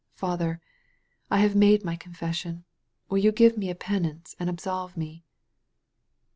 Father, I have made my confession. Will you give me a penance and absolve me?"